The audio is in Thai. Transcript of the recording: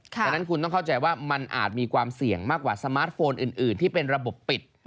ดังนั้นคุณต้องเข้าใจว่ามันอาจมีความเสี่ยงมากกว่าสมาร์ทโฟนอื่นที่เป็นระบบปิด